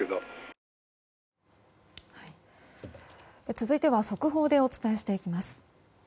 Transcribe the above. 続いては速報でお伝えしていきます。